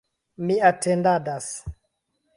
Mi atendadas.